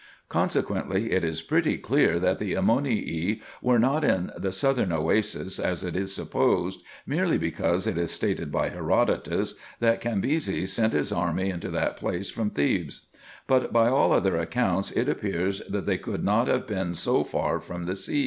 Consequently, it is pretty clear that the Ammonii were not in the southern Oasis, as it is supposed, merely because it is stated by Herodotus, that Cambyses sent his army into that place from Thebes ; but, by all other accounts, it appears that they could not have been so far from the sea.